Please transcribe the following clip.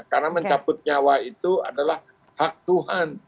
karena mencabut nyawa itu adalah hak tuhan